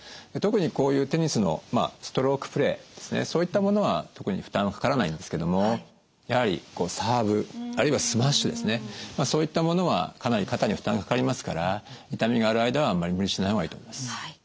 特にこういうテニスのストロークプレーですねそういったものは特に負担はかからないんですけどもやはりサーブあるいはスマッシュですねそういったものはかなり肩に負担がかかりますから痛みがある間はあんまり無理しない方がいいと思います。